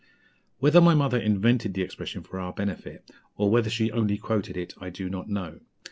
Whether my mother invented the expression for our benefit, or whether she only quoted it, I do not know.